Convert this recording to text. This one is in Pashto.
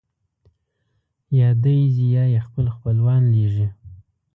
یا دی ځي یا یې خپل خپلوان لېږي.